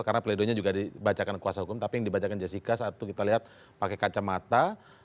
karena peledoinya juga dibacakan kuasa hukum tapi yang dibacakan jessica saat itu kita lihat pakai kacamata